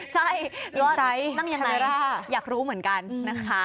ใช่นั่งยังไงล่ะอยากรู้เหมือนกันนะคะ